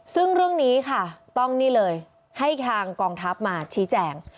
ซึ่งเรื่องนี้ค่ะต้องนี่เลยให้ทางกองทัพมาชี้แจง